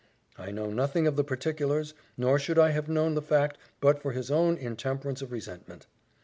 I know nothing of the particulars, nor should I have known the fact but for his own intemperance of resentment.